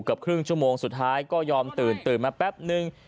เกือบครึ่งชั่วโมงสุดท้ายก็ยอมตื่นตื่นมาแป๊บนึง